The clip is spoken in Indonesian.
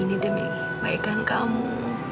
ini demi kebaikan kamu